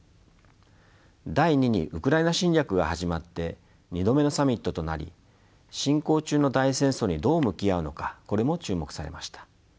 第２にウクライナ侵略が始まって２度目のサミットとなり進行中の大戦争にどう向き合うのかこれも注目されました。